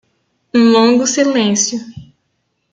Um longo silêncio